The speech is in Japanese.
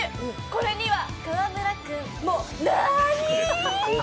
これには河村君も、何いぃ？